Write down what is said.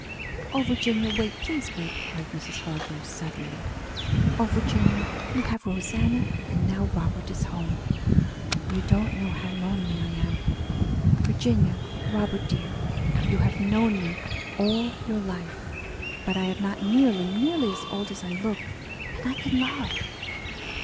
"Oh, Virginia, wait; please wait!" cried Mrs. Hargrave suddenly. "Oh, Virginia, you have Rosanna, and now Robert is home. You don't know how lonely I am. Virginia, Robert dear, you have known me all your life but I am not nearly, nearly as old as I look, and I can love.